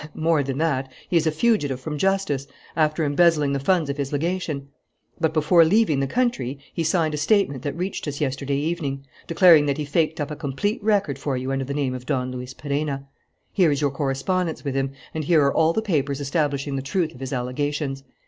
"More than that: he is a fugitive from justice, after embezzling the funds of his legation. But before leaving the country he signed a statement that reached us yesterday evening, declaring that he faked up a complete record for you under the name of Don Luis Perenna. Here is your correspondence with him and here are all the papers establishing the truth of his allegations.